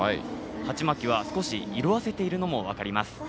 鉢巻きは少し色あせているのも分かります。